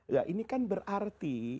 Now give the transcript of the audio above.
nah ini kan berarti